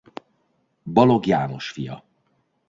Balogh János fia.